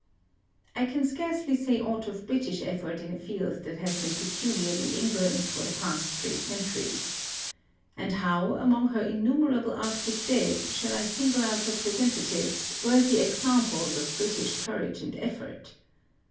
I can scarcely say aught of British effort in a field that has been peculiarly England's for the past three centuries. And how, among her innumerable Arctic dead, shall I single out representatives, worthy exam piers of British courage and effort?